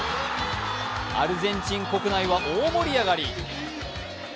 アルゼンチン国内は大盛り上がり。